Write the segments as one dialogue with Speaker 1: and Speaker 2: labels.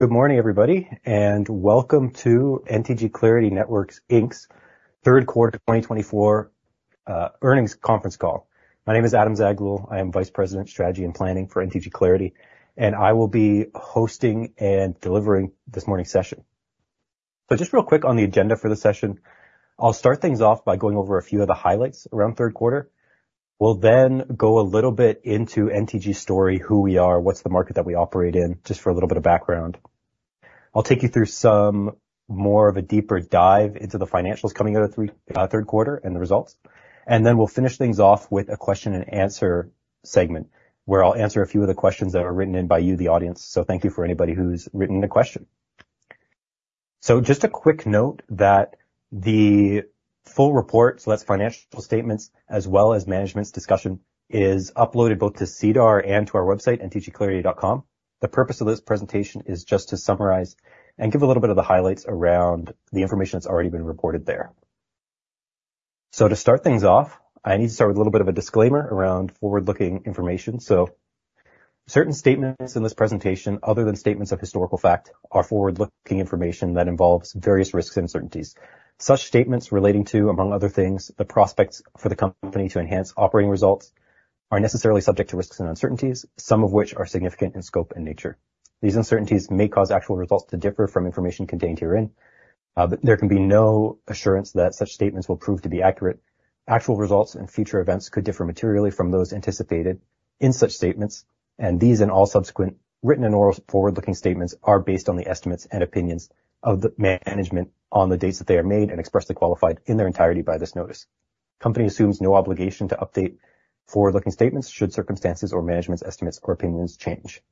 Speaker 1: Good morning, everybody, and welcome to NTG Clarity Networks Inc's third quarter 2024 earnings conference call. My name is Adam Zaghloul. I am Vice President of Strategy and Planning for NTG Clarity, and I will be hosting and delivering this morning's session. So just real quick on the agenda for the session, I'll start things off by going over a few of the highlights around third quarter. We'll then go a little bit into NTG story, who we are, what's the market that we operate in, just for a little bit of background. I'll take you through some more of a deeper dive into the financials coming out of third quarter and the results. And then we'll finish things off with a question-and-answer segment where I'll answer a few of the questions that are written in by you, the audience. So thank you for anybody who's written in a question. Just a quick note that the full report, so that's financial statements as well as management's discussion, is uploaded both to SEDAR+ and to our website, ntgclarity.com. The purpose of this presentation is just to summarize and give a little bit of the highlights around the information that's already been reported there. To start things off, I need to start with a little bit of a disclaimer around forward-looking information. Certain statements in this presentation, other than statements of historical fact, are forward-looking information that involves various risks and uncertainties. Such statements relating to, among other things, the prospects for the company to enhance operating results are necessarily subject to risks and uncertainties, some of which are significant in scope and nature. These uncertainties may cause actual results to differ from information contained herein. There can be no assurance that such statements will prove to be accurate. Actual results and future events could differ materially from those anticipated in such statements, and these and all subsequent written and oral forward-looking statements are based on the estimates and opinions of the management on the dates that they are made and expressly qualified in their entirety by this notice. The company assumes no obligation to update forward-looking statements should circumstances or management's estimates or opinions change,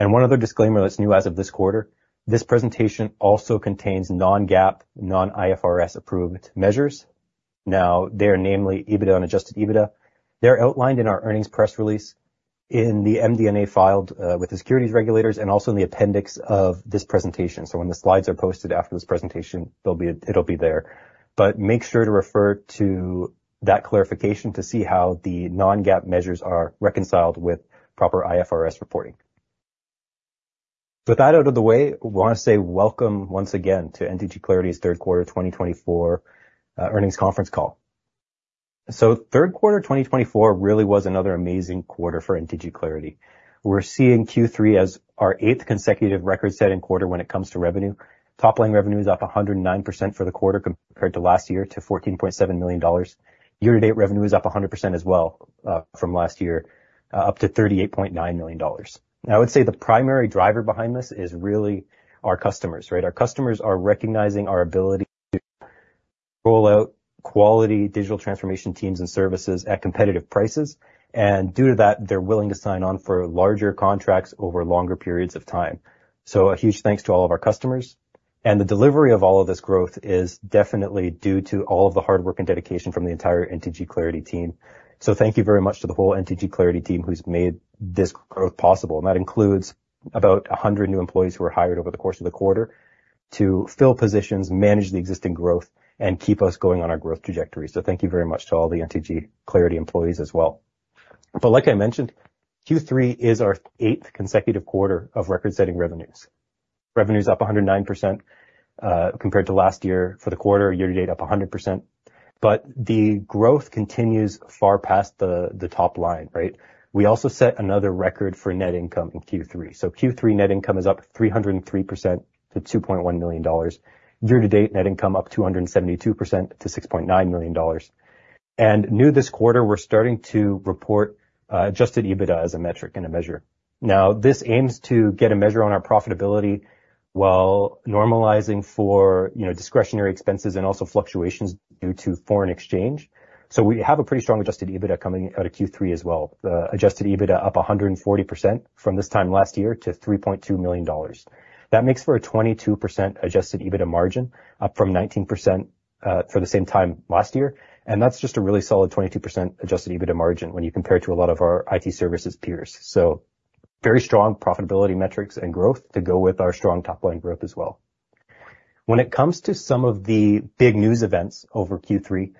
Speaker 1: and one other disclaimer that's new as of this quarter: this presentation also contains non-GAAP, non-IFRS-approved measures. Now, they are namely EBITDA and adjusted EBITDA. They're outlined in our earnings press release, in the MD&A filed with the securities regulators, and also in the appendix of this presentation, so when the slides are posted after this presentation, it'll be there, but make sure to refer to that clarification to see how the non-GAAP measures are reconciled with proper IFRS reporting. With that out of the way, I want to say welcome once again to NTG Clarity's third quarter 2024 earnings conference call. So third quarter 2024 really was another amazing quarter for NTG Clarity. We're seeing Q3 as our eighth consecutive record-setting quarter when it comes to revenue. Top-line revenue is up 109% for the quarter compared to last year, to 14.7 million dollars. Year-to-date revenue is up 100% as well from last year, up to 38.9 million dollars. Now, I would say the primary driver behind this is really our customers. Our customers are recognizing our ability to roll out quality digital transformation teams and services at competitive prices. And due to that, they're willing to sign on for larger contracts over longer periods of time. So a huge thanks to all of our customers. The delivery of all of this growth is definitely due to all of the hard work and dedication from the entire NTG Clarity team. Thank you very much to the whole NTG Clarity team who's made this growth possible. That includes about 100 new employees who were hired over the course of the quarter to fill positions, manage the existing growth, and keep us going on our growth trajectory. Thank you very much to all the NTG Clarity employees as well. Like I mentioned, Q3 is our eighth consecutive quarter of record-setting revenues. Revenue is up 109% compared to last year for the quarter. Year-to-date up 100%. The growth continues far past the top line. We also set another record for net income in Q3. Q3 net income is up 303% to 2.1 million dollars. Year-to-date net income up 272% to 6.9 million dollars. New this quarter, we're starting to report adjusted EBITDA as a metric and a measure. Now, this aims to get a measure on our profitability while normalizing for discretionary expenses and also fluctuations due to foreign exchange. So we have a pretty strong adjusted EBITDA coming out of Q3 as well. Adjusted EBITDA up 140% from this time last year to 3.2 million dollars. That makes for a 22% adjusted EBITDA margin, up from 19% for the same time last year. And that's just a really solid 22% adjusted EBITDA margin when you compare it to a lot of our IT services peers. So very strong profitability metrics and growth to go with our strong top-line growth as well. When it comes to some of the big news events over Q3,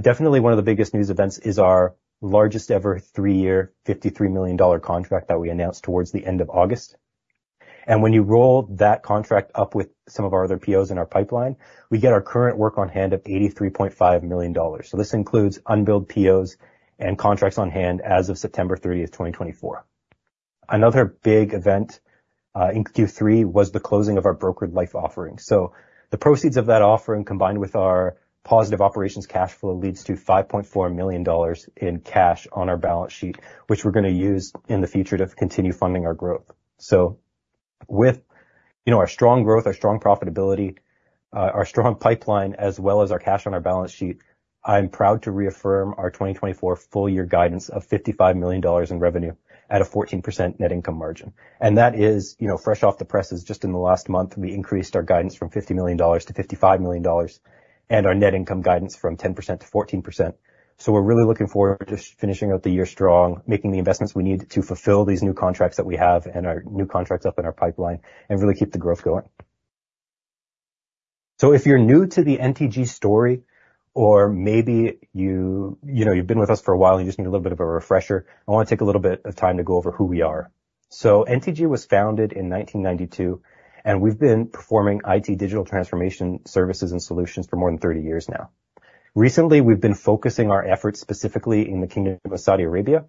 Speaker 1: definitely one of the biggest news events is our largest ever three-year 53 million dollar contract that we announced towards the end of August. And when you roll that contract up with some of our other POs in our pipeline, we get our current work on hand of 83.5 million dollars. So this includes unbilled POs and contracts on hand as of September 30th, 2024. Another big event in Q3 was the closing of our brokered private offering. So the proceeds of that offering combined with our positive operations cash flow leads to 5.4 million dollars in cash on our balance sheet, which we're going to use in the future to continue funding our growth. With our strong growth, our strong profitability, our strong pipeline, as well as our cash on our balance sheet, I'm proud to reaffirm our 2024 full-year guidance of 55 million dollars in revenue at a 14% net income margin. And that is fresh off the presses. Just in the last month, we increased our guidance from 50 million dollars to 55 million dollars and our net income guidance from 10%-14%. We're really looking forward to finishing out the year strong, making the investments we need to fulfill these new contracts that we have and our new contracts up in our pipeline, and really keep the growth going. If you're new to the NTG story, or maybe you've been with us for a while and you just need a little bit of a refresher, I want to take a little bit of time to go over who we are. NTG was founded in 1992, and we've been performing IT digital transformation services and solutions for more than 30 years now. Recently, we've been focusing our efforts specifically in the Kingdom of Saudi Arabia,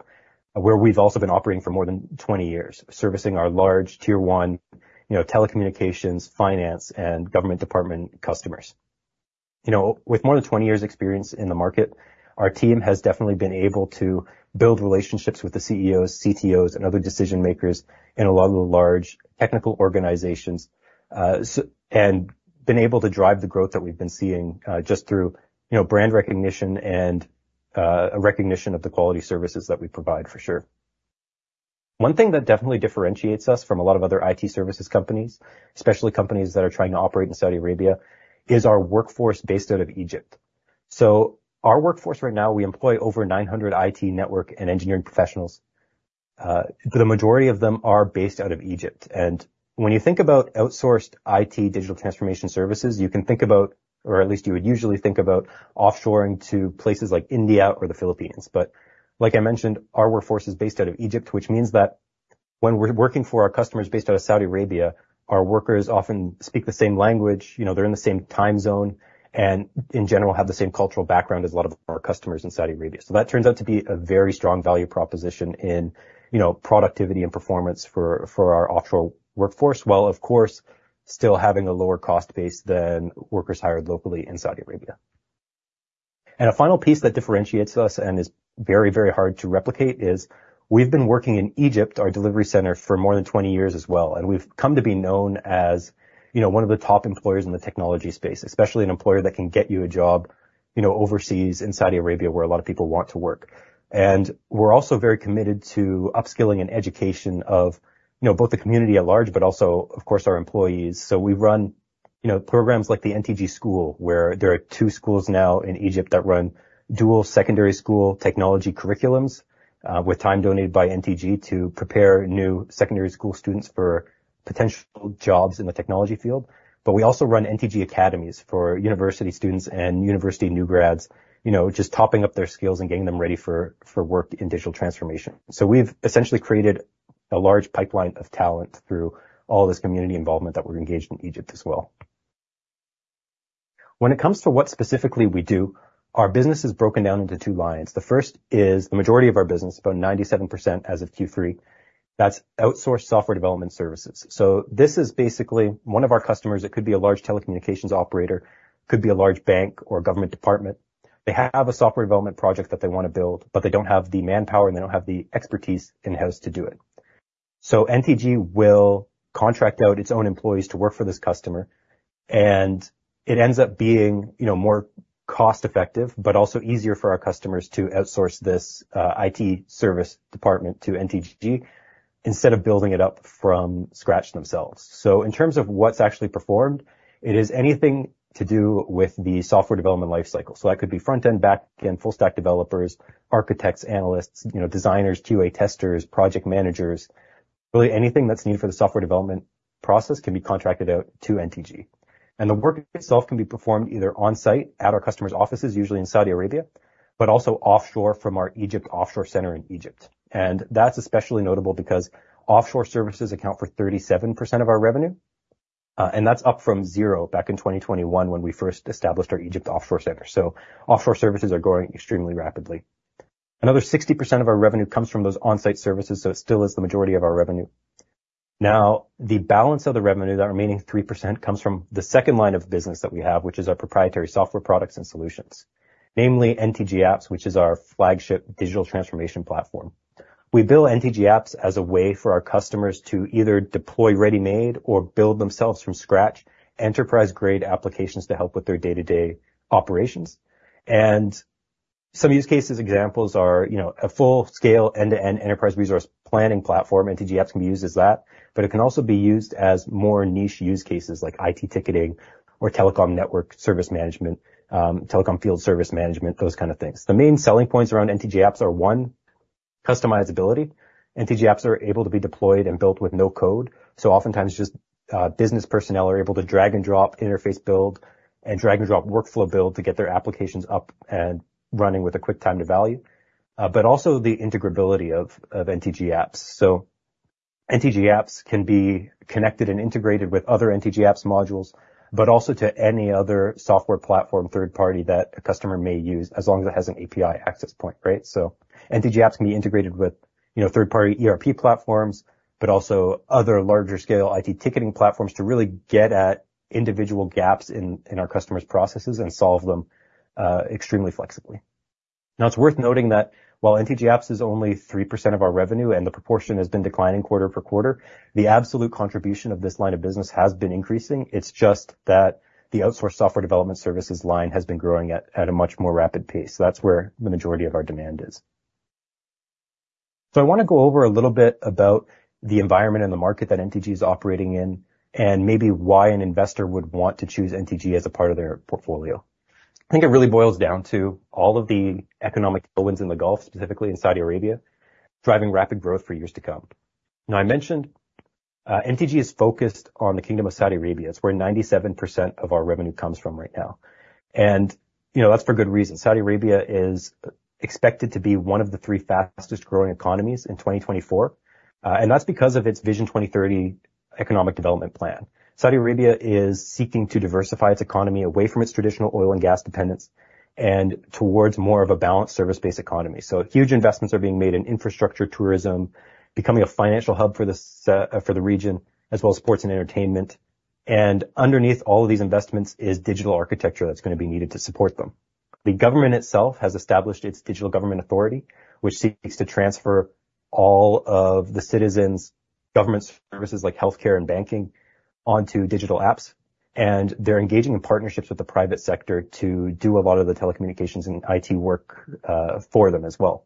Speaker 1: where we've also been operating for more than 20 years, servicing our large tier-one telecommunications, finance, and government department customers. With more than 20 years' experience in the market, our team has definitely been able to build relationships with the CEOs, CTOs, and other decision-makers in a lot of the large technical organizations and been able to drive the growth that we've been seeing just through brand recognition and recognition of the quality services that we provide, for sure. One thing that definitely differentiates us from a lot of other IT services companies, especially companies that are trying to operate in Saudi Arabia, is our workforce based out of Egypt. So our workforce right now, we employ over 900 IT network and engineering professionals. The majority of them are based out of Egypt. And when you think about outsourced IT digital transformation services, you can think about, or at least you would usually think about, offshoring to places like India or the Philippines. But like I mentioned, our workforce is based out of Egypt, which means that when we're working for our customers based out of Saudi Arabia, our workers often speak the same language. They're in the same time zone and, in general, have the same cultural background as a lot of our customers in Saudi Arabia. So that turns out to be a very strong value proposition in productivity and performance for our offshore workforce, while, of course, still having a lower cost base than workers hired locally in Saudi Arabia. A final piece that differentiates us and is very, very hard to replicate is we've been working in Egypt, our delivery center, for more than 20 years as well. We've come to be known as one of the top employers in the technology space, especially an employer that can get you a job overseas in Saudi Arabia, where a lot of people want to work. We're also very committed to upskilling and education of both the community at large, but also, of course, our employees. We run programs like the NTG School, where there are two schools now in Egypt that run dual secondary school technology curriculums with time donated by NTG to prepare new secondary school students for potential jobs in the technology field. But we also run NTG Academies for university students and university new grads, just topping up their skills and getting them ready for work in digital transformation. So we've essentially created a large pipeline of talent through all this community involvement that we're engaged in Egypt as well. When it comes to what specifically we do, our business is broken down into two lines. The first is the majority of our business, about 97% as of Q3, that's outsourced software development services. So this is basically one of our customers. It could be a large telecommunications operator, could be a large bank or government department. They have a software development project that they want to build, but they don't have the manpower, and they don't have the expertise in-house to do it. So NTG will contract out its own employees to work for this customer. It ends up being more cost-effective, but also easier for our customers to outsource this IT service department to NTG instead of building it up from scratch themselves. In terms of what's actually performed, it is anything to do with the software development life cycle. That could be front-end, back-end, full-stack developers, architects, analysts, designers, QA testers, project managers. Really, anything that's needed for the software development process can be contracted out to NTG. The work itself can be performed either on-site at our customers' offices, usually in Saudi Arabia, but also offshore from our Egypt offshore center in Egypt. That's especially notable because offshore services account for 37% of our revenue. That's up from zero back in 2021 when we first established our Egypt offshore center. Offshore services are growing extremely rapidly. Another 60% of our revenue comes from those on-site services, so it still is the majority of our revenue. Now, the balance of the revenue, that remaining 3%, comes from the second line of business that we have, which is our proprietary software products and solutions, namely NTG Apps, which is our flagship digital transformation platform. We build NTG Apps as a way for our customers to either deploy ready-made or build themselves from scratch enterprise-grade applications to help with their day-to-day operations. Some use cases examples are a full-scale end-to-end enterprise resource planning platform. NTG Apps can be used as that, but it can also be used as more niche use cases like IT ticketing or telecom network service management, telecom field service management, those kinds of things. The main selling points around NTG Apps are, one, customizability. NTG Apps are able to be deployed and built with no code, so oftentimes, just business personnel are able to drag and drop, interface build, and drag and drop workflow build to get their applications up and running with a quick time to value, but also the integrability of NTG Apps, so NTG Apps can be connected and integrated with other NTG Apps modules, but also to any other software platform third-party that a customer may use, as long as it has an API access point, so NTG Apps can be integrated with third-party ERP platforms, but also other larger-scale IT ticketing platforms to really get at individual gaps in our customers' processes and solve them extremely flexibly. Now, it's worth noting that while NTG Apps is only 3% of our revenue and the proportion has been declining quarter for quarter, the absolute contribution of this line of business has been increasing. It's just that the outsourced software development services line has been growing at a much more rapid pace. That's where the majority of our demand is. So I want to go over a little bit about the environment and the market that NTG is operating in and maybe why an investor would want to choose NTG as a part of their portfolio. I think it really boils down to all of the economic tailwinds in the Gulf, specifically in Saudi Arabia, driving rapid growth for years to come. Now, I mentioned NTG is focused on the Kingdom of Saudi Arabia. It's where 97% of our revenue comes from right now, and that's for good reason. Saudi Arabia is expected to be one of the three fastest-growing economies in 2024, and that's because of its Vision 2030 economic development plan. Saudi Arabia is seeking to diversify its economy away from its traditional oil and gas dependence and towards more of a balanced service-based economy, so huge investments are being made in infrastructure, tourism, becoming a financial hub for the region, as well as sports and entertainment, and underneath all of these investments is digital architecture that's going to be needed to support them. The government itself has established its Digital Government Authority, which seeks to transfer all of the citizens' government services, like healthcare and banking, onto digital apps, and they're engaging in partnerships with the private sector to do a lot of the telecommunications and IT work for them as well.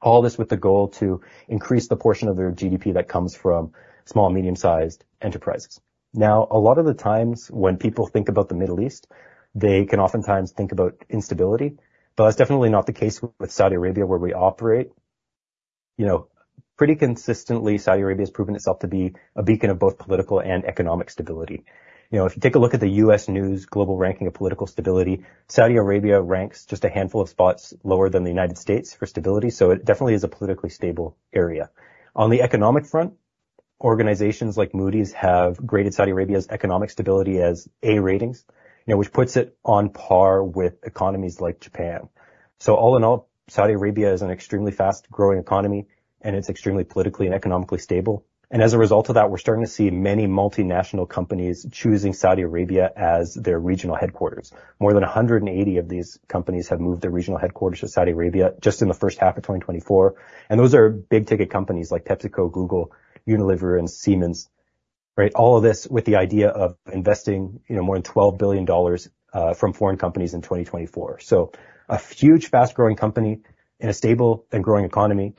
Speaker 1: All this with the goal to increase the portion of their GDP that comes from small and medium-sized enterprises. Now, a lot of the times when people think about the Middle East, they can oftentimes think about instability. But that's definitely not the case with Saudi Arabia, where we operate. Pretty consistently, Saudi Arabia has proven itself to be a beacon of both political and economic stability. If you take a look at the U.S. News & World Report Global Ranking of Political Stability, Saudi Arabia ranks just a handful of spots lower than the United States for stability. So it definitely is a politically stable area. On the economic front, organizations like Moody's have graded Saudi Arabia's economic stability as A ratings, which puts it on par with economies like Japan. So all in all, Saudi Arabia is an extremely fast-growing economy, and it's extremely politically and economically stable. And as a result of that, we're starting to see many multinational companies choosing Saudi Arabia as their regional headquarters. More than 180 of these companies have moved their regional headquarters to Saudi Arabia just in the first half of 2024. And those are big-ticket companies like PepsiCo, Google, Unilever, and Siemens. All of this with the idea of investing more than 12 billion dollars from foreign companies in 2024. So a huge, fast-growing company in a stable and growing economy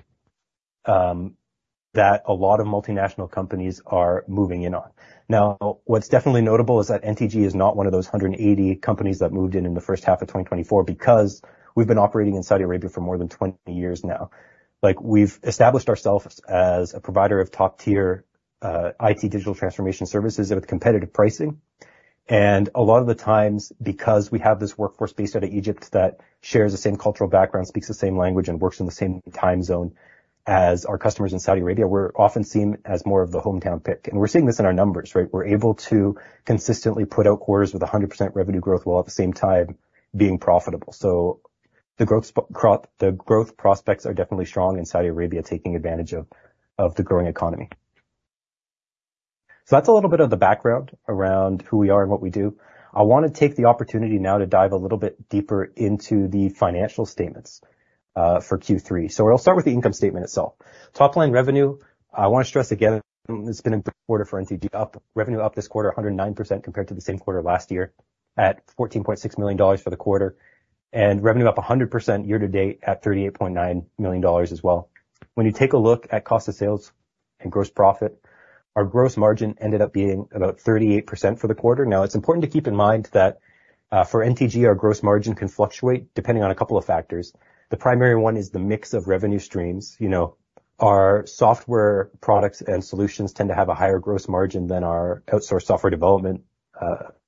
Speaker 1: that a lot of multinational companies are moving in on. Now, what's definitely notable is that NTG is not one of those 180 companies that moved in in the first half of 2024 because we've been operating in Saudi Arabia for more than 20 years now. We've established ourselves as a provider of top-tier IT digital transformation services with competitive pricing. And a lot of the times, because we have this workforce based out of Egypt that shares the same cultural background, speaks the same language, and works in the same time zone as our customers in Saudi Arabia, we're often seen as more of the hometown pick. And we're seeing this in our numbers. We're able to consistently put out orders with 100% revenue growth while at the same time being profitable. So the growth prospects are definitely strong in Saudi Arabia taking advantage of the growing economy. So that's a little bit of the background around who we are and what we do. I want to take the opportunity now to dive a little bit deeper into the financial statements for Q3. So we'll start with the income statement itself. Top-line revenue, I want to stress again, it's been a big quarter for NTG. Revenue up this quarter, 109% compared to the same quarter last year at 14.6 million dollars for the quarter. And revenue up 100% year to date at 38.9 million dollars as well. When you take a look at cost of sales and gross profit, our gross margin ended up being about 38% for the quarter. Now, it's important to keep in mind that for NTG, our gross margin can fluctuate depending on a couple of factors. The primary one is the mix of revenue streams. Our software products and solutions tend to have a higher gross margin than our outsourced software development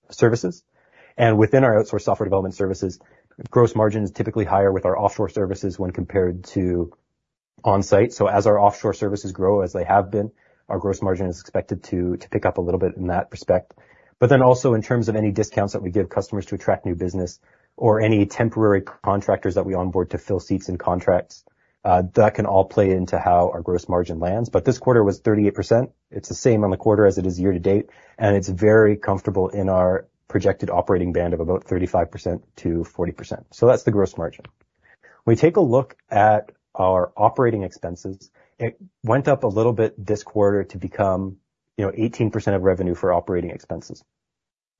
Speaker 1: services. And within our outsourced software development services, gross margin is typically higher with our offshore services when compared to on-site. So as our offshore services grow, as they have been, our gross margin is expected to pick up a little bit in that respect. But then also in terms of any discounts that we give customers to attract new business or any temporary contractors that we onboard to fill seats in contracts, that can all play into how our gross margin lands. But this quarter was 38%. It's the same on the quarter as it is year to date. And it's very comfortable in our projected operating band of about 35%-40%. So that's the gross margin. When we take a look at our operating expenses, it went up a little bit this quarter to become 18% of revenue for operating expenses.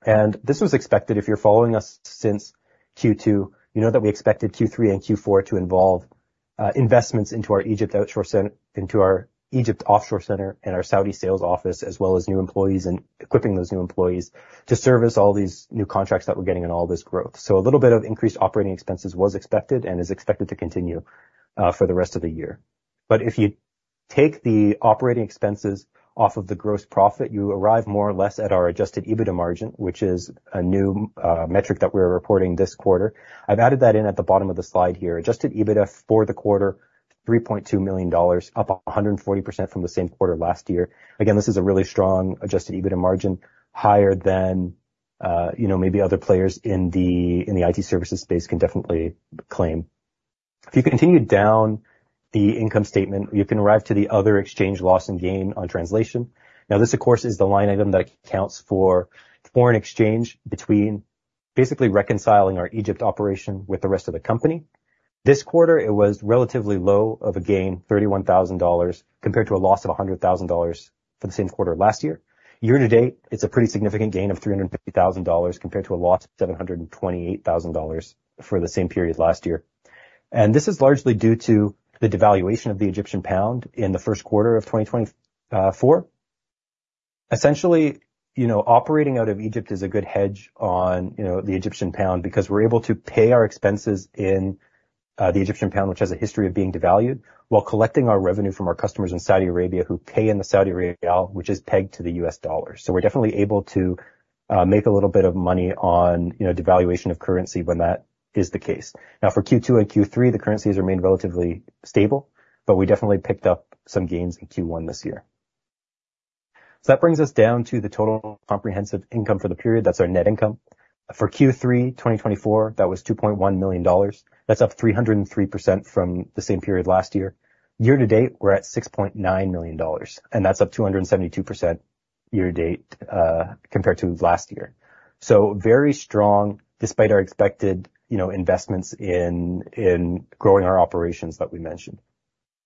Speaker 1: And this was expected. If you're following us since Q2, you know that we expected Q3 and Q4 to involve investments into our Egypt offshore center and our Saudi sales office, as well as new employees and equipping those new employees to service all these new contracts that we're getting and all this growth. So a little bit of increased operating expenses was expected and is expected to continue for the rest of the year. But if you take the operating expenses off of the gross profit, you arrive more or less at our adjusted EBITDA margin, which is a new metric that we're reporting this quarter. I've added that in at the bottom of the slide here. Adjusted EBITDA for the quarter, 3.2 million dollars, up 140% from the same quarter last year. Again, this is a really strong adjusted EBITDA margin, higher than maybe other players in the IT services space can definitely claim. If you continue down the income statement, you can arrive to the other exchange loss and gain on translation. Now, this, of course, is the line item that accounts for foreign exchange between basically reconciling our Egypt operation with the rest of the company. This quarter, it was relatively low of a gain, 31,000 dollars, compared to a loss of 100,000 dollars for the same quarter last year. Year to date, it's a pretty significant gain of 350,000 dollars compared to a loss of 728,000 dollars for the same period last year. This is largely due to the devaluation of the Egyptian pound in the first quarter of 2024. Essentially, operating out of Egypt is a good hedge on the Egyptian pound because we're able to pay our expenses in the Egyptian pound, which has a history of being devalued, while collecting our revenue from our customers in Saudi Arabia who pay in the Saudi riyal, which is pegged to the US dollar. So we're definitely able to make a little bit of money on devaluation of currency when that is the case. Now, for Q2 and Q3, the currencies remained relatively stable, but we definitely picked up some gains in Q1 this year. So that brings us down to the total comprehensive income for the period. That's our net income. For Q3 2024, that was 2.1 million dollars. That's up 303% from the same period last year. Year to date, we're at 6.9 million dollars. And that's up 272% year to date compared to last year. So very strong despite our expected investments in growing our operations that we mentioned.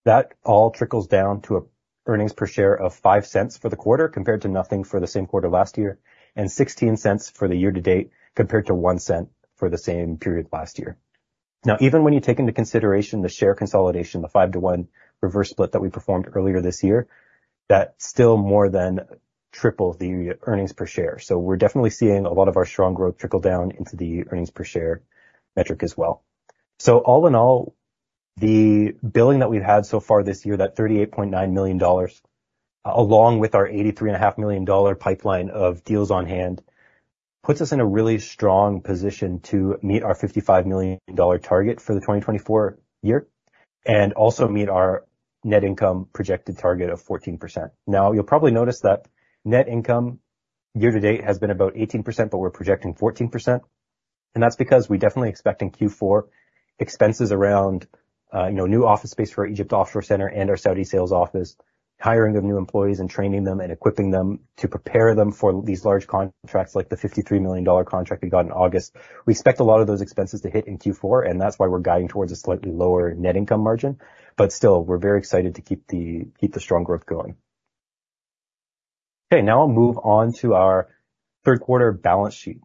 Speaker 1: That all trickles down to an earnings per share of 0.05 for the quarter compared to nothing for the same quarter last year and 0.16 for the year to date compared to 0.01 for the same period last year. Now, even when you take into consideration the share consolidation, the 5-to-1 reverse split that we performed earlier this year, that still more than tripled the earnings per share. So we're definitely seeing a lot of our strong growth trickle down into the earnings per share metric as well. So all in all, the billing that we've had so far this year, that 38.9 million dollars, along with our 83.5 million dollar pipeline of deals on hand, puts us in a really strong position to meet our 55 million dollar target for the 2024 year and also meet our net income projected target of 14%. Now, you'll probably notice that net income year to date has been about 18%, but we're projecting 14%. And that's because we definitely expect in Q4 expenses around new office space for our Egypt offshore center and our Saudi sales office, hiring of new employees and training them and equipping them to prepare them for these large contracts like the 53 million dollar contract we got in August. We expect a lot of those expenses to hit in Q4, and that's why we're guiding towards a slightly lower net income margin. But still, we're very excited to keep the strong growth going. Okay. Now I'll move on to our third quarter balance sheet.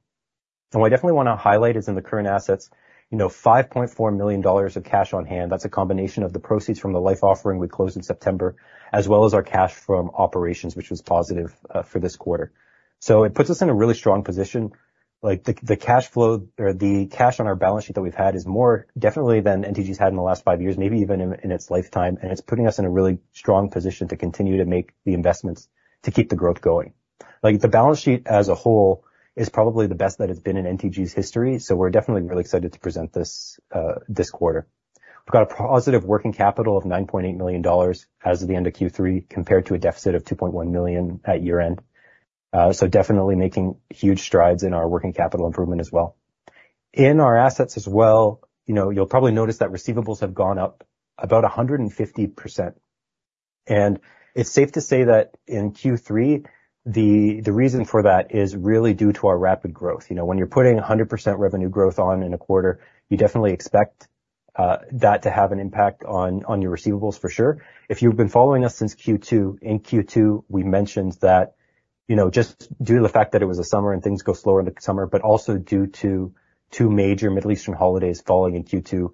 Speaker 1: And what I definitely want to highlight is in the current assets, 5.4 million dollars of cash on hand. That's a combination of the proceeds from the private offering we closed in September, as well as our cash from operations, which was positive for this quarter. So it puts us in a really strong position. The cash on our balance sheet that we've had is definitely more than NTG's had in the last five years, maybe even in its lifetime. And it's putting us in a really strong position to continue to make the investments to keep the growth going. The balance sheet as a whole is probably the best that it's been in NTG's history. So we're definitely really excited to present this quarter. We've got a positive working capital of 9.8 million dollars as of the end of Q3 compared to a deficit of 2.1 million at year-end. So definitely making huge strides in our working capital improvement as well. In our assets as well, you'll probably notice that receivables have gone up about 150%. And it's safe to say that in Q3, the reason for that is really due to our rapid growth. When you're putting 100% revenue growth on in a quarter, you definitely expect that to have an impact on your receivables for sure. If you've been following us since Q2, in Q2, we mentioned that just due to the fact that it was a summer and things go slower in the summer, but also due to two major Middle Eastern holidays falling in Q2,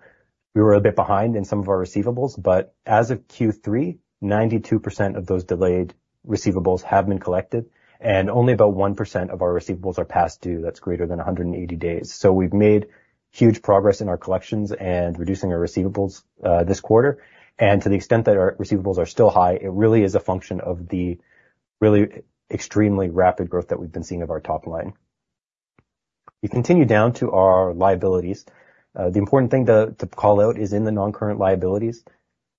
Speaker 1: we were a bit behind in some of our receivables. But as of Q3, 92% of those delayed receivables have been collected, and only about 1% of our receivables are past due. That's greater than 180 days. So we've made huge progress in our collections and reducing our receivables this quarter. And to the extent that our receivables are still high, it really is a function of the really extremely rapid growth that we've been seeing of our top line. We continue down to our liabilities. The important thing to call out is in the non-current liabilities,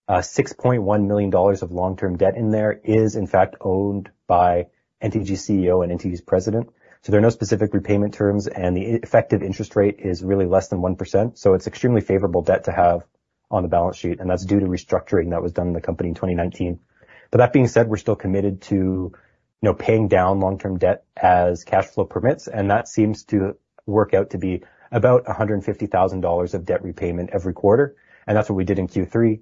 Speaker 1: 6.1 million dollars of long-term debt in there is, in fact, owned by NTG's CEO and NTG's President. So there are no specific repayment terms, and the effective interest rate is really less than 1%. So it's extremely favorable debt to have on the balance sheet. And that's due to restructuring that was done in the company in 2019. But that being said, we're still committed to paying down long-term debt as cash flow permits. And that seems to work out to be about 150,000 dollars of debt repayment every quarter. And that's what we did in Q3.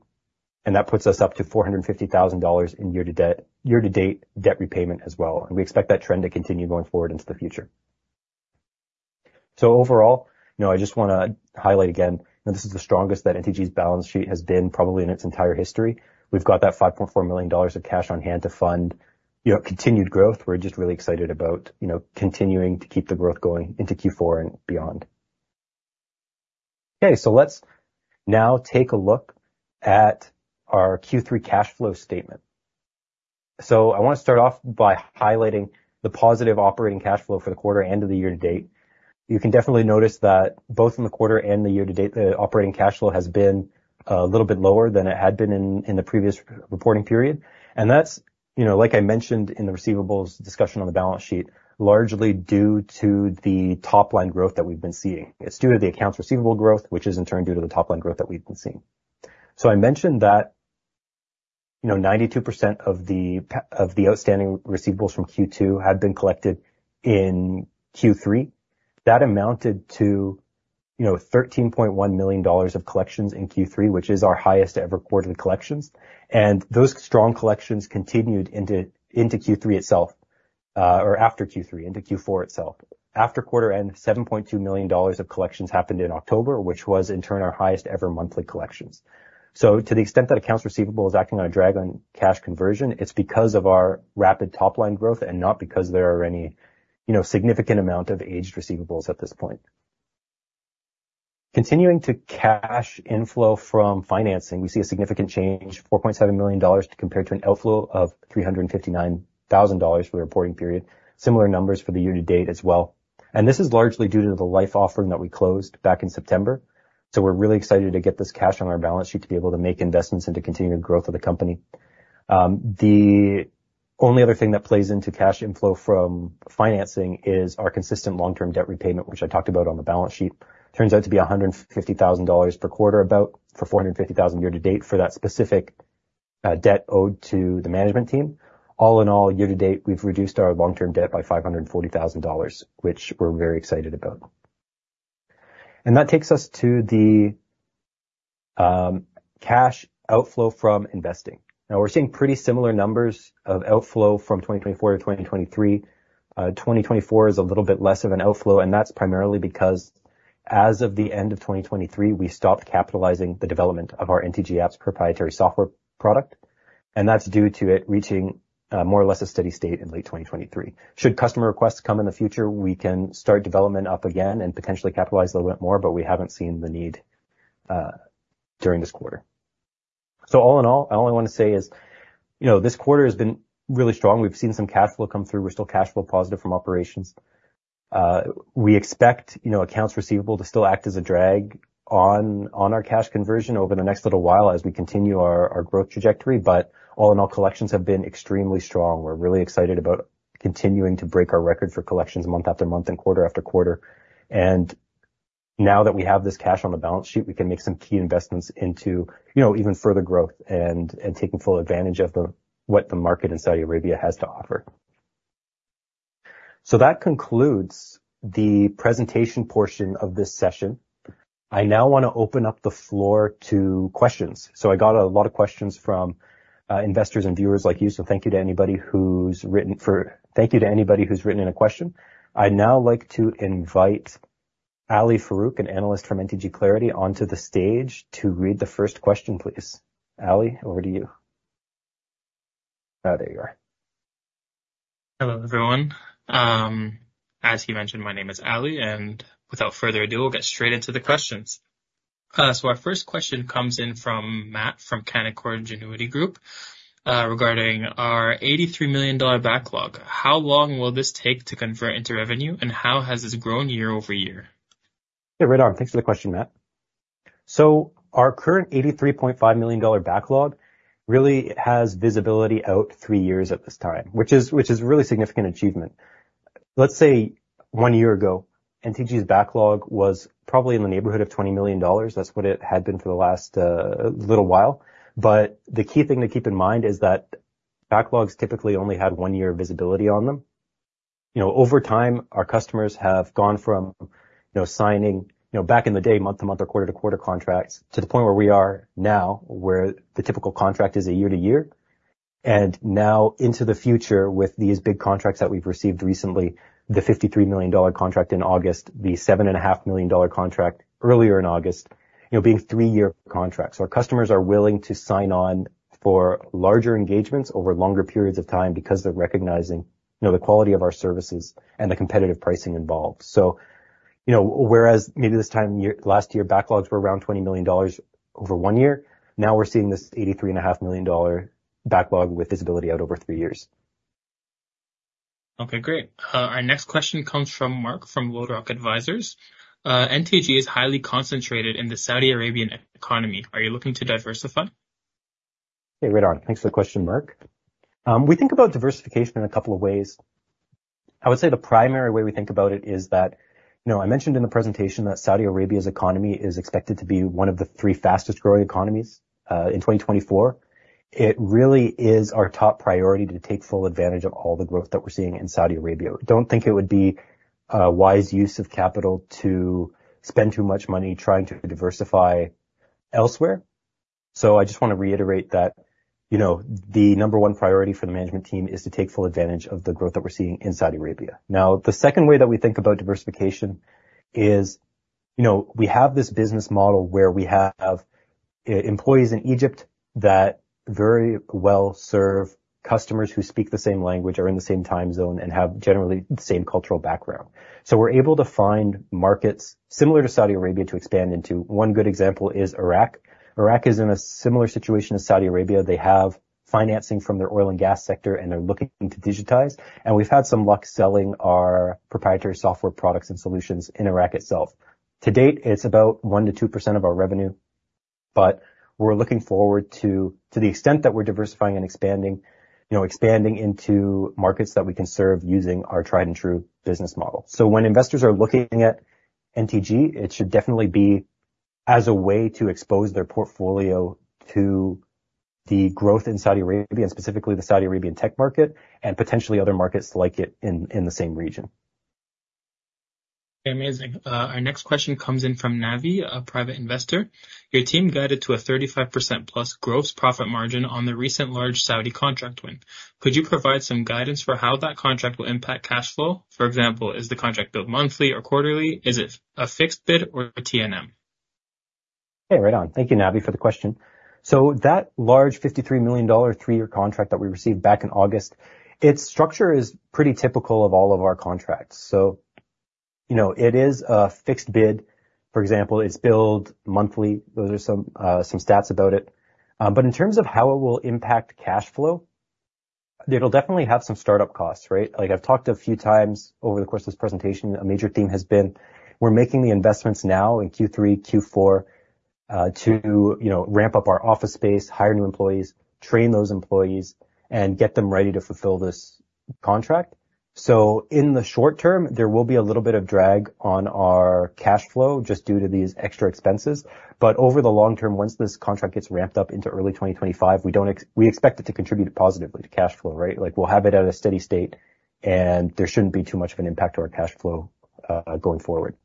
Speaker 1: And that puts us up to 450,000 dollars in year-to-date debt repayment as well. And we expect that trend to continue going forward into the future. So overall, I just want to highlight again, this is the strongest that NTG's balance sheet has been probably in its entire history. We've got that 5.4 million dollars of cash on hand to fund continued growth. We're just really excited about continuing to keep the growth going into Q4 and beyond. Okay. So let's now take a look at our Q3 cash flow statement. So I want to start off by highlighting the positive operating cash flow for the quarter and the year to date. You can definitely notice that both in the quarter and the year to date, the operating cash flow has been a little bit lower than it had been in the previous reporting period. And that's, like I mentioned in the receivables discussion on the balance sheet, largely due to the top-line growth that we've been seeing. It's due to the accounts receivable growth, which is in turn due to the top-line growth that we've been seeing. So I mentioned that 92% of the outstanding receivables from Q2 had been collected in Q3. That amounted to 13.1 million dollars of collections in Q3, which is our highest-ever quarterly collections. And those strong collections continued into Q3 itself or after Q3, into Q4 itself. After quarter-end, 7.2 million dollars of collections happened in October, which was in turn our highest-ever monthly collections. To the extent that accounts receivable is acting on a drag on cash conversion, it's because of our rapid top-line growth and not because there are any significant amount of aged receivables at this point. Continuing to cash inflow from financing, we see a significant change, 4.7 million dollars compared to an outflow of 359,000 dollars for the reporting period. Similar numbers for the year to date as well. This is largely due to the LIFE offering that we closed back in September. We're really excited to get this cash on our balance sheet to be able to make investments into continued growth of the company. The only other thing that plays into cash inflow from financing is our consistent long-term debt repayment, which I talked about on the balance sheet. Turns out to be 150,000 dollars per quarter, about 450,000 year to date, for that specific debt owed to the management team. All in all, year to date, we've reduced our long-term debt by 540,000 dollars, which we're very excited about, and that takes us to the cash outflow from investing. Now, we're seeing pretty similar numbers of outflow from 2024 to 2023. 2024 is a little bit less of an outflow, and that's primarily because as of the end of 2023, we stopped capitalizing the development of our NTG Apps proprietary software product, and that's due to it reaching more or less a steady state in late 2023. Should customer requests come in the future, we can start development up again and potentially capitalize a little bit more, but we haven't seen the need during this quarter. So, all in all, all I want to say is this quarter has been really strong. We've seen some cash flow come through. We're still cash flow positive from operations. We expect accounts receivable to still act as a drag on our cash conversion over the next little while as we continue our growth trajectory. But, all in all, collections have been extremely strong. We're really excited about continuing to break our record for collections month after month and quarter after quarter. And now that we have this cash on the balance sheet, we can make some key investments into even further growth and taking full advantage of what the market in Saudi Arabia has to offer. So that concludes the presentation portion of this session. I now want to open up the floor to questions. So, I got a lot of questions from investors and viewers like you. Thank you to anybody who's written in a question. I'd now like to invite Ali Farouk, an analyst from NTG Clarity, onto the stage to read the first question, please. Ali, over to you. There you are.
Speaker 2: Hello, everyone. As he mentioned, my name is Ali. And without further ado, we'll get straight into the questions. So our first question comes in from Matt from Canaccord Genuity Group regarding our 83 million dollar backlog. How long will this take to convert into revenue, and how has this grown year-over-year?
Speaker 1: Yeah, right on. Thanks for the question, Matt. So our current 83.5 million dollar backlog really has visibility out three years at this time, which is a really significant achievement. Let's say one year ago, NTG's backlog was probably in the neighborhood of 20 million dollars. That's what it had been for the last little while. But the key thing to keep in mind is that backlogs typically only had one year of visibility on them. Over time, our customers have gone from signing back in the day month-to-month or quarter-to-quarter contracts to the point where we are now, where the typical contract is a year-to-year. And now into the future, with these big contracts that we've received recently, the 53 million dollar contract in August, the 7.5 million dollar contract earlier in August, being three-year contracts. Our customers are willing to sign on for larger engagements over longer periods of time because they're recognizing the quality of our services and the competitive pricing involved. So whereas maybe this time last year, backlogs were around 20 million dollars over one year, now we're seeing this 83.5 million dollar backlog with visibility out over three years.
Speaker 2: Okay, great. Our next question comes from Mark from LodeRock Advisors. NTG is highly concentrated in the Saudi Arabian economy. Are you looking to diversify?
Speaker 1: Hey, right on. Thanks for the question, Mark. We think about diversification in a couple of ways. I would say the primary way we think about it is that I mentioned in the presentation that Saudi Arabia's economy is expected to be one of the three fastest-growing economies in 2024. It really is our top priority to take full advantage of all the growth that we're seeing in Saudi Arabia. Don't think it would be a wise use of capital to spend too much money trying to diversify elsewhere, so I just want to reiterate that the number one priority for the management team is to take full advantage of the growth that we're seeing in Saudi Arabia. Now, the second way that we think about diversification is we have this business model where we have employees in Egypt that very well serve customers who speak the same language, are in the same time zone, and have generally the same cultural background. So we're able to find markets similar to Saudi Arabia to expand into. One good example is Iraq. Iraq is in a similar situation as Saudi Arabia. They have financing from their oil and gas sector, and they're looking to digitize. And we've had some luck selling our proprietary software products and solutions in Iraq itself. To date, it's about 1%-2% of our revenue. But we're looking forward to the extent that we're diversifying and expanding into markets that we can serve using our tried-and-true business model. So when investors are looking at NTG, it should definitely be as a way to expose their portfolio to the growth in Saudi Arabia and specifically the Saudi Arabian tech market and potentially other markets like it in the same region.
Speaker 2: Amazing. Our next question comes in from Navi, a private investor. Your team guided to a 35% plus gross profit margin on the recent large Saudi contract win. Could you provide some guidance for how that contract will impact cash flow? For example, is the contract billed monthly or quarterly? Is it a fixed bid or a T&M?
Speaker 1: Hey, right on. Thank you, Navi, for the question. So that large 53 million dollar three-year contract that we received back in August, its structure is pretty typical of all of our contracts. So it is a fixed bid. For example, it's billed monthly. Those are some stats about it. But in terms of how it will impact cash flow, it'll definitely have some startup costs, right? I've talked a few times over the course of this presentation. A major theme has been we're making the investments now in Q3, Q4 to ramp up our office space, hire new employees, train those employees, and get them ready to fulfill this contract. So in the short term, there will be a little bit of drag on our cash flow just due to these extra expenses. But over the long term, once this contract gets ramped up into early 2025, we expect it to contribute positively to cash flow, right? We'll have it at a steady state, and there shouldn't be too much of an impact to our cash flow going forward.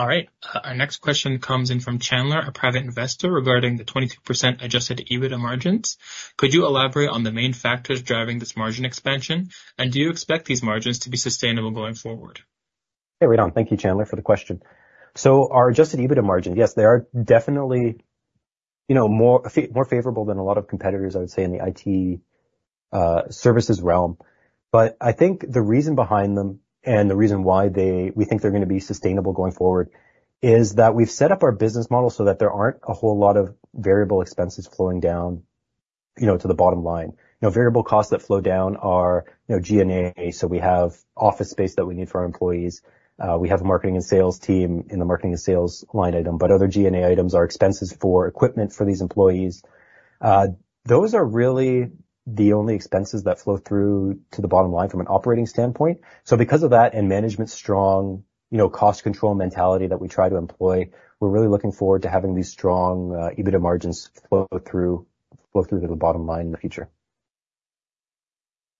Speaker 2: All right. Our next question comes in from Chandler, a private investor, regarding the 22% adjusted EBITDA margins. Could you elaborate on the main factors driving this margin expansion? And do you expect these margins to be sustainable going forward?
Speaker 1: Hey, right on. Thank you, Chandler, for the question. So our adjusted EBITDA margin, yes, they are definitely more favorable than a lot of competitors, I would say, in the IT services realm. But I think the reason behind them and the reason why we think they're going to be sustainable going forward is that we've set up our business model so that there aren't a whole lot of variable expenses flowing down to the bottom line. Variable costs that flow down are G&A. So we have office space that we need for our employees. We have a marketing and sales team in the marketing and sales line item. But other G&A items are expenses for equipment for these employees. Those are really the only expenses that flow through to the bottom line from an operating standpoint. So because of that and management's strong cost control mentality that we try to employ, we're really looking forward to having these strong EBITDA margins flow through to the bottom line in the future.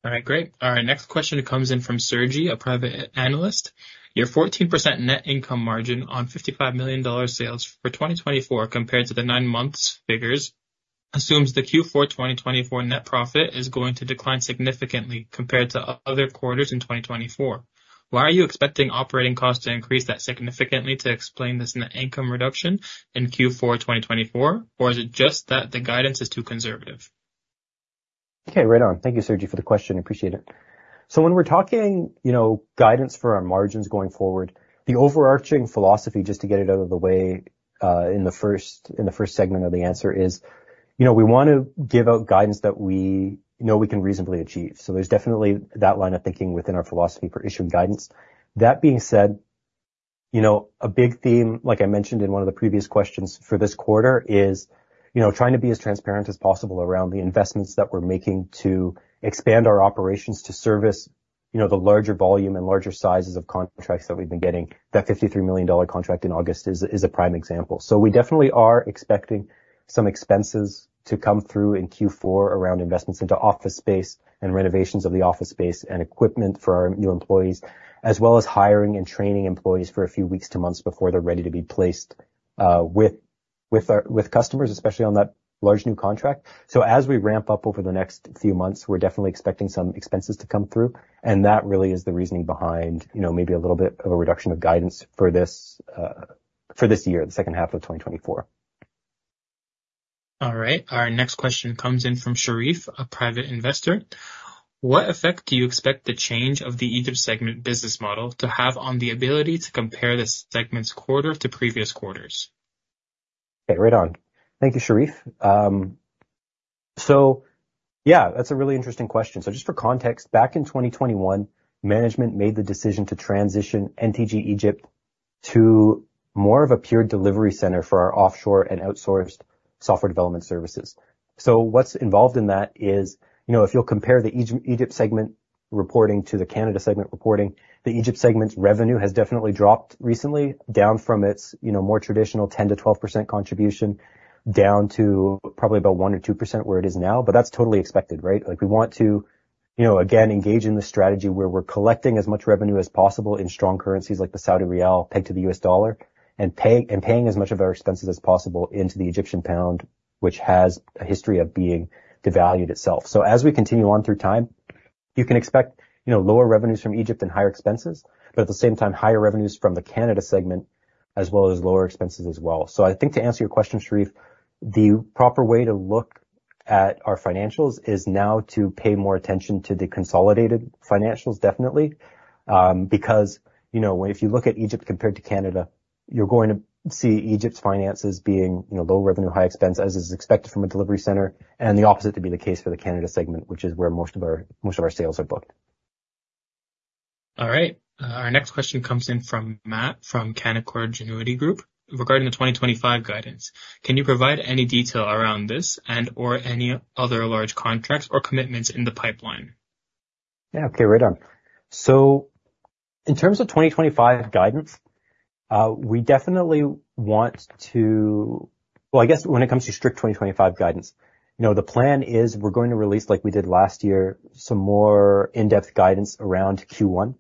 Speaker 2: All right, great. Our next question comes in from Sergi, a private analyst. Your 14% net income margin on 55 million dollar sales for 2024 compared to the nine-month figures assumes the Q4 2024 net profit is going to decline significantly compared to other quarters in 2024. Why are you expecting operating costs to increase that significantly to explain this net income reduction in Q4 2024? Or is it just that the guidance is too conservative?
Speaker 1: Okay, right on. Thank you, Sergi, for the question. Appreciate it. So when we're talking guidance for our margins going forward, the overarching philosophy just to get it out of the way in the first segment of the answer is we want to give out guidance that we know we can reasonably achieve. So there's definitely that line of thinking within our philosophy for issuing guidance. That being said, a big theme, like I mentioned in one of the previous questions for this quarter, is trying to be as transparent as possible around the investments that we're making to expand our operations to service the larger volume and larger sizes of contracts that we've been getting. That 53 million dollar contract in August is a prime example. So we definitely are expecting some expenses to come through in Q4 around investments into office space and renovations of the office space and equipment for our new employees, as well as hiring and training employees for a few weeks to months before they're ready to be placed with customers, especially on that large new contract. So as we ramp up over the next few months, we're definitely expecting some expenses to come through. And that really is the reasoning behind maybe a little bit of a reduction of guidance for this year, the second half of 2024.
Speaker 2: All right. Our next question comes in from Sharif, a private investor. What effect do you expect the change of the EBITDA segment business model to have on the ability to compare the segment's quarter to previous quarters?
Speaker 1: Hey, right on. Thank you, Sharif. So yeah, that's a really interesting question. So just for context, back in 2021, management made the decision to transition NTG Egypt to more of a peer delivery center for our offshore and outsourced software development services. So what's involved in that is if you'll compare the Egypt segment reporting to the Canada segment reporting, the Egypt segment's revenue has definitely dropped recently down from its more traditional 10%-12% contribution down to probably about 1%-2% where it is now. But that's totally expected, right? We want to, again, engage in the strategy where we're collecting as much revenue as possible in strong currencies like the Saudi riyal pegged to the U.S. dollar and paying as much of our expenses as possible into the Egyptian pound, which has a history of being devalued itself. So as we continue on through time, you can expect lower revenues from Egypt and higher expenses, but at the same time, higher revenues from the Canada segment as well as lower expenses as well. So I think to answer your question, Sharif, the proper way to look at our financials is now to pay more attention to the consolidated financials, definitely. Because if you look at Egypt compared to Canada, you're going to see Egypt's finances being low revenue, high expense, as is expected from a delivery center, and the opposite to be the case for the Canada segment, which is where most of our sales are booked.
Speaker 2: All right. Our next question comes in from Matt from Canaccord Genuity Group regarding the 2025 guidance. Can you provide any detail around this and/or any other large contracts or commitments in the pipeline?
Speaker 1: Yeah, okay, right on. So in terms of 2025 guidance, we definitely want to, well, I guess when it comes to strict 2025 guidance, the plan is we're going to release, like we did last year, some more in-depth guidance around Q1.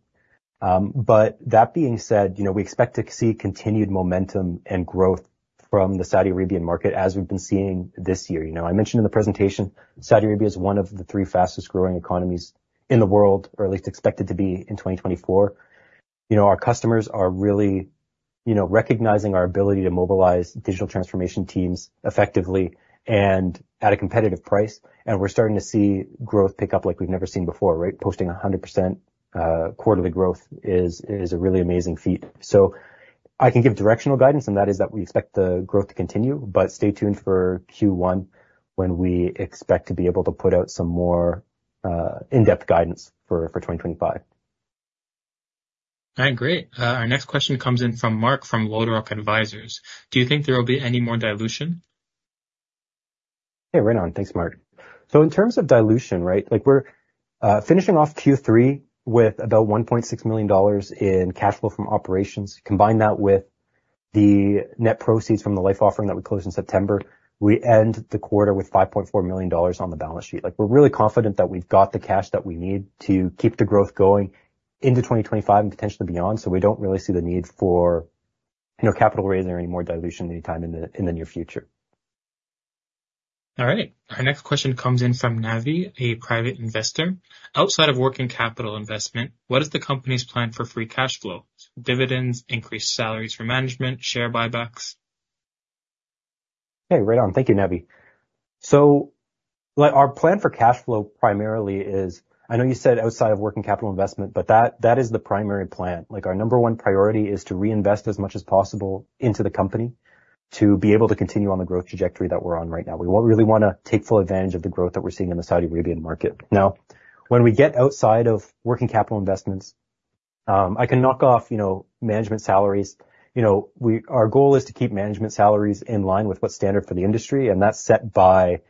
Speaker 1: But that being said, we expect to see continued momentum and growth from the Saudi Arabian market as we've been seeing this year. I mentioned in the presentation, Saudi Arabia is one of the three fastest-growing economies in the world, or at least expected to be in 2024. Our customers are really recognizing our ability to mobilize digital transformation teams effectively and at a competitive price. And we're starting to see growth pick up like we've never seen before, right? Posting 100% quarterly growth is a really amazing feat. So I can give directional guidance, and that is that we expect the growth to continue. But stay tuned for Q1 when we expect to be able to put out some more in-depth guidance for 2025.
Speaker 2: All right, great. Our next question comes in from Mark from LodeRock Advisors. Do you think there will be any more dilution?
Speaker 1: Hey, right on. Thanks, Mark. So in terms of dilution, right? We're finishing off Q3 with about 1.6 million dollars in cash flow from operations. Combine that with the net proceeds from the private offering that we closed in September, we end the quarter with 5.4 million dollars on the balance sheet. We're really confident that we've got the cash that we need to keep the growth going into 2025 and potentially beyond. So we don't really see the need for capital raising or any more dilution anytime in the near future.
Speaker 2: All right. Our next question comes in from Navi, a private investor. Outside of working capital investment, what is the company's plan for free cash flow? Dividends, increased salaries for management, share buybacks?
Speaker 1: Hey, right on. Thank you, Navi. So our plan for cash flow primarily is. I know you said outside of working capital investment, but that is the primary plan. Our number one priority is to reinvest as much as possible into the company to be able to continue on the growth trajectory that we're on right now. We really want to take full advantage of the growth that we're seeing in the Saudi Arabian market. Now, when we get outside of working capital investments, I can knock off management salaries. Our goal is to keep management salaries in line with what's standard for the industry. And that's set by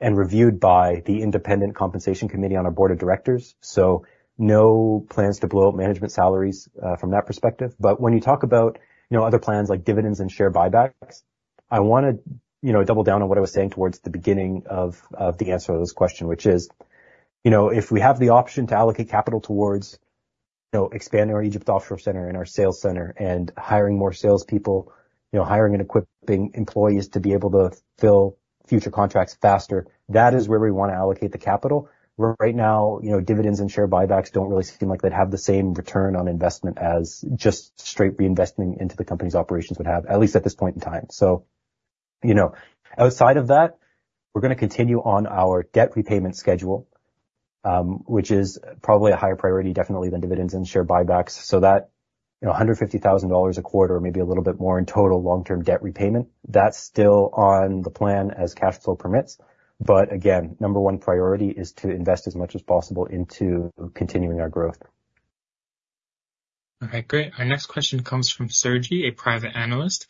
Speaker 1: and reviewed by the independent compensation committee on our board of directors. So no plans to blow up management salaries from that perspective. But when you talk about other plans like dividends and share buybacks, I want to double down on what I was saying towards the beginning of the answer to this question, which is if we have the option to allocate capital towards expanding our Egypt offshore center and our sales center and hiring more salespeople, hiring and equipping employees to be able to fill future contracts faster, that is where we want to allocate the capital. Right now, dividends and share buybacks don't really seem like they'd have the same return on investment as just straight reinvesting into the company's operations would have, at least at this point in time. So outside of that, we're going to continue on our debt repayment schedule, which is probably a higher priority, definitely than dividends and share buybacks. That 150,000 dollars a quarter, maybe a little bit more in total long-term debt repayment, that's still on the plan as cash flow permits. But again, number one priority is to invest as much as possible into continuing our growth.
Speaker 2: All right, great. Our next question comes from Sergi, a private analyst.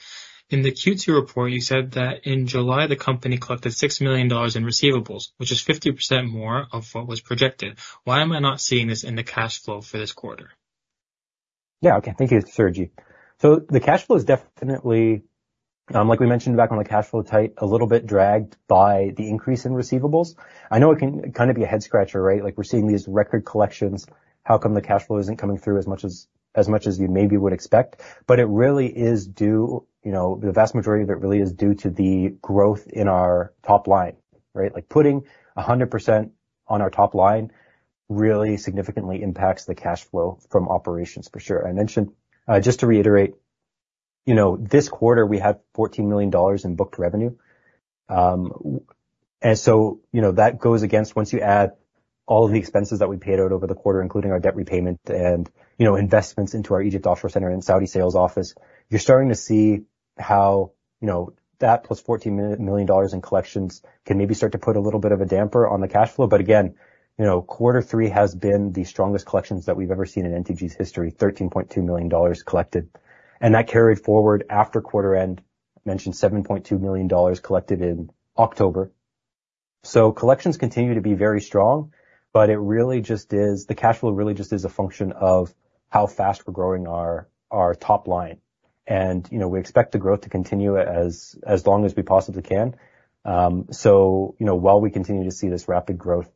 Speaker 2: In the Q2 report, you said that in July, the company collected 6 million dollars in receivables, which is 50% more of what was projected. Why am I not seeing this in the cash flow for this quarter?
Speaker 1: Yeah, okay. Thank you, Sergi. So the cash flow is definitely, like we mentioned back on the cash flow tight, a little bit dragged by the increase in receivables. I know it can kind of be a head-scratcher, right? We're seeing these record collections. How come the cash flow isn't coming through as much as you maybe would expect? But it really is due, the vast majority of it really is due to the growth in our top line, right? Putting 100% on our top line really significantly impacts the cash flow from operations, for sure. I mentioned, just to reiterate, this quarter, we had 14 million dollars in booked revenue. And so that goes against once you add all of the expenses that we paid out over the quarter, including our debt repayment and investments into our Egypt offshore center and Saudi sales office. You're starting to see how that plus 14 million dollars in collections can maybe start to put a little bit of a damper on the cash flow. But again, quarter three has been the strongest collections that we've ever seen in NTG's history: 13.2 million dollars collected. And that carried forward after quarter end, mentioned 7.2 million dollars collected in October. So collections continue to be very strong, but it really just is, the cash flow really just is a function of how fast we're growing our top line. And we expect the growth to continue as long as we possibly can. So while we continue to see this rapid growth,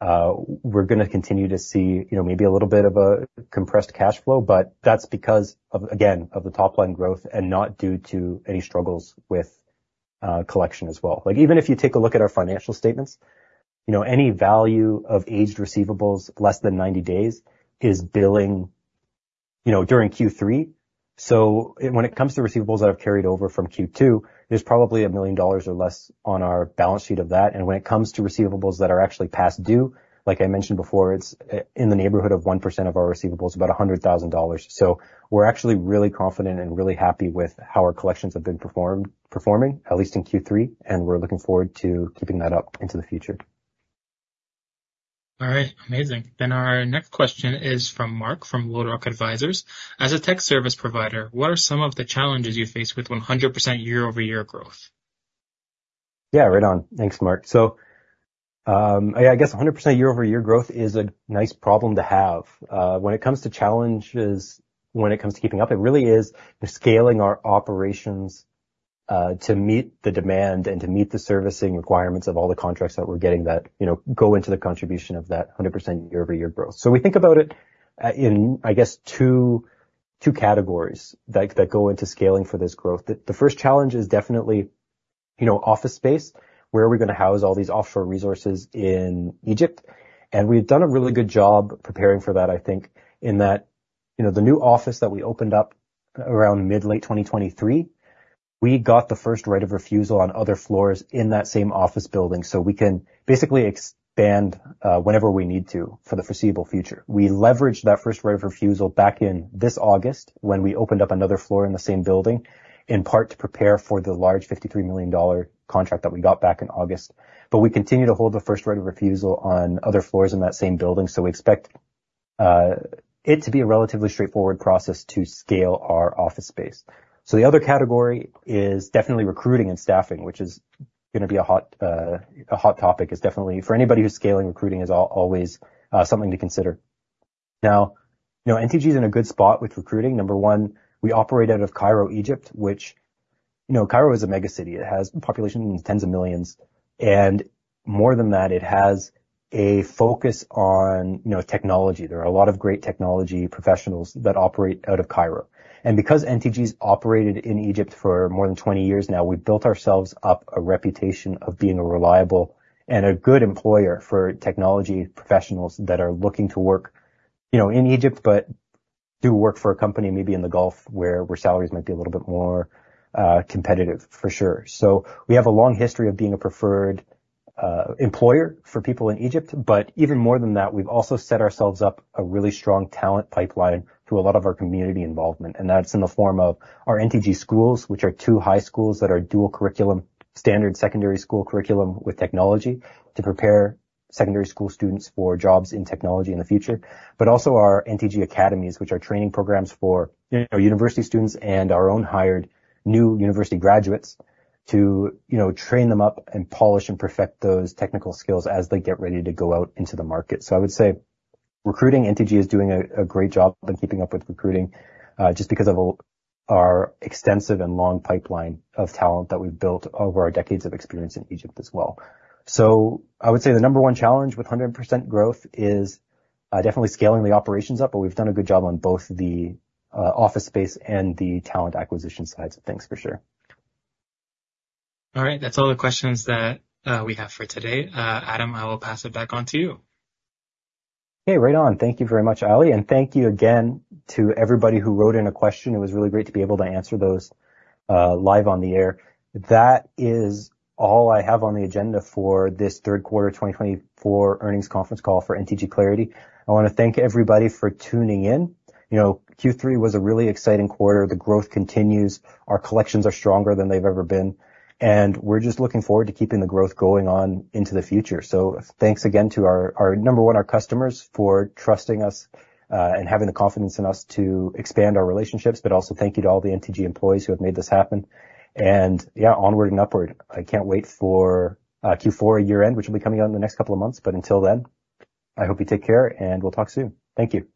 Speaker 1: we're going to continue to see maybe a little bit of a compressed cash flow. But that's because, again, of the top line growth and not due to any struggles with collection as well. Even if you take a look at our financial statements, any value of aged receivables less than 90 days is billing during Q3. So when it comes to receivables that have carried over from Q2, there's probably 1,000,000 dollars or less on our balance sheet of that. And when it comes to receivables that are actually past due, like I mentioned before, it's in the neighborhood of 1% of our receivables, about 100,000 dollars. So we're actually really confident and really happy with how our collections have been performing, at least in Q3. And we're looking forward to keeping that up into the future.
Speaker 2: All right, amazing. Then our next question is from Mark from LodeRock Advisors. As a tech service provider, what are some of the challenges you face with 100% year-over-year growth?
Speaker 1: Yeah, right on. Thanks, Mark. So I guess 100% year-over-year growth is a nice problem to have. When it comes to challenges, when it comes to keeping up, it really is scaling our operations to meet the demand and to meet the servicing requirements of all the contracts that we're getting that go into the contribution of that 100% year-over-year growth. So we think about it in, I guess, two categories that go into scaling for this growth. The first challenge is definitely office space. Where are we going to house all these offshore resources in Egypt? And we've done a really good job preparing for that, I think, in that the new office that we opened up around mid-late 2023, we got the first right of refusal on other floors in that same office building so we can basically expand whenever we need to for the foreseeable future. We leveraged that first right of refusal back in this August when we opened up another floor in the same building, in part to prepare for the large 53 million dollar contract that we got back in August. But we continue to hold the first right of refusal on other floors in that same building. So we expect it to be a relatively straightforward process to scale our office space. So the other category is definitely recruiting and staffing, which is going to be a hot topic, is definitely for anybody who's scaling. Recruiting is always something to consider. Now, NTG is in a good spot with recruiting. Number one, we operate out of Cairo, Egypt, which Cairo is a mega city. It has a population in the tens of millions. And more than that, it has a focus on technology. There are a lot of great technology professionals that operate out of Cairo, and because NTG has operated in Egypt for more than 20 years now, we've built ourselves up a reputation of being a reliable and a good employer for technology professionals that are looking to work in Egypt but do work for a company maybe in the Gulf where salaries might be a little bit more competitive, for sure, so we have a long history of being a preferred employer for people in Egypt, but even more than that, we've also set ourselves up a really strong talent pipeline through a lot of our community involvement, and that's in the form of our NTG Schools, which are two high schools that are dual curriculum standard secondary school curriculum with technology to prepare secondary school students for jobs in technology in the future. But also our NTG Academies, which are training programs for university students and our own hired new university graduates to train them up and polish and perfect those technical skills as they get ready to go out into the market. So I would say, recruiting, NTG is doing a great job and keeping up with recruiting just because of our extensive and long pipeline of talent that we've built over our decades of experience in Egypt as well. So I would say the number one challenge with 100% growth is definitely scaling the operations up. But we've done a good job on both the office space and the talent acquisition sides of things, for sure.
Speaker 2: All right. That's all the questions that we have for today. Adam, I will pass it back on to you.
Speaker 1: Hey, right on. Thank you very much, Ali. And thank you again to everybody who wrote in a question. It was really great to be able to answer those live on the air. That is all I have on the agenda for this third quarter 2024 earnings conference call for NTG Clarity. I want to thank everybody for tuning in. Q3 was a really exciting quarter. The growth continues. Our collections are stronger than they've ever been. And we're just looking forward to keeping the growth going on into the future. So thanks again to our number one, our customers for trusting us and having the confidence in us to expand our relationships. But also thank you to all the NTG employees who have made this happen. And yeah, onward and upward. I can't wait for Q4 year-end, which will be coming out in the next couple of months. But until then, I hope you take care and we'll talk soon. Thank you.